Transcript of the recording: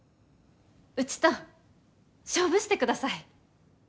うちと勝負してください！